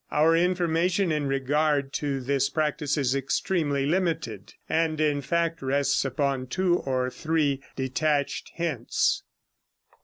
Our information in regard to this practice is extremely limited, and, in fact, rests upon two or three detached hints.